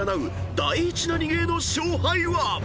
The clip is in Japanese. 第１ナニゲーの勝敗は⁉］